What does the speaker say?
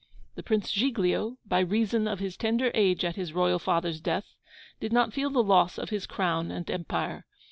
The Prince Giglio, by reason of his tender age at his royal father's death, did not feel the loss of his crown and empire.